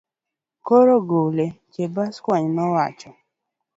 Koro gole, Chebaskwony nowacho.